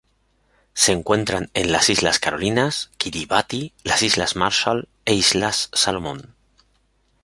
Se encuentran en las Islas Carolinas, Kiribati, las Islas Marshall e Islas Salomón.